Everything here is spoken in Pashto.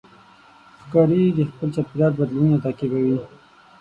ښکاري د خپل چاپېریال بدلونونه تعقیبوي.